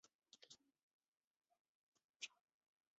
它在中国大陆和台湾都没有列入百家姓前一百位。